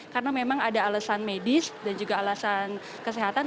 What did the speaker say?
karena memang ada alasan medis dan juga alasan kesehatan